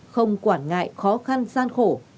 không quản ngại khó khăn gian khổ